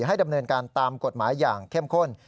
ให้ดำเนินการตามกฎหมายอย่างเข้มข้น